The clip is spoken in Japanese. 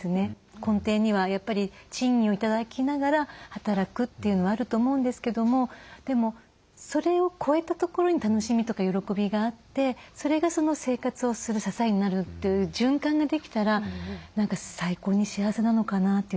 根底にはやっぱり賃金を頂きながら働くというのはあると思うんですけどもでもそれを超えたところに楽しみとか喜びがあってそれが生活をする支えになるという循環ができたら何か最高に幸せなのかなというふうに思いますね。